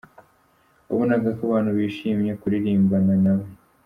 Wabonaga ko abantu bishimye kuririmbana nawe.